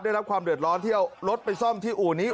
ได้รับความเดือดร้อนที่เอารถไปซ่อมที่อู่นี้